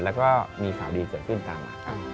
และก็มีข่าวดีเกิดขึ้นตามมา